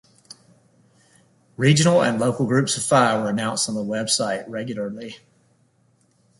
Regional and local groups of Fi were announced on the website regularly.